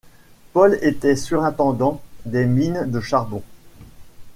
Paul était surintendant des mines de charbon.